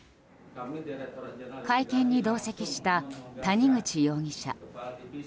会見に同席した谷口容疑者。